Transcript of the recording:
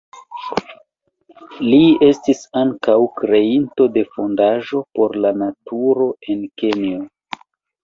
Li estis ankaŭ kreinto de fondaĵo por la naturo en Kenjo.